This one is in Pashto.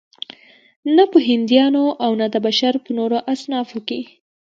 نه په هندیانو او نه د بشر په نورو اصنافو کې.